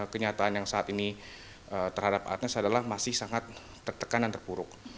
kenyataan yang saat ini terhadap atnes adalah masih sangat tertekan dan terpuruk